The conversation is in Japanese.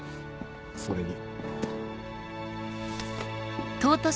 それに。